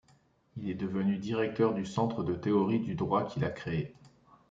Il est devenu directeur du Centre de théorie du droit qu'il a créé.